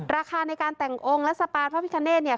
ราคาในการแต่งองค์และสปานพระพิคเนธเนี่ย